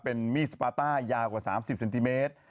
เป็นมีดสปาต้ายาวกว่า๓๐เซนติเมตร